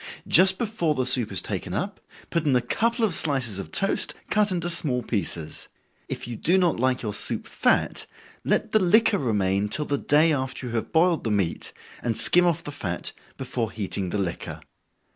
Just before the soup is taken up, put in a couple of slices of toast, cut into small pieces. If you do not like your soup fat, let the liquor remain till the day after you have boiled the meat, and skim off the fat before heating the liquor.